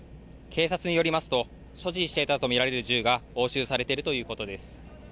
警察によりますと所持していたと見られる銃が押収されているということです。